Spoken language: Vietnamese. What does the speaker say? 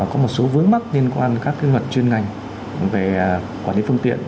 có một số vướng mắt liên quan các kế hoạch chuyên ngành về quản lý phương tiện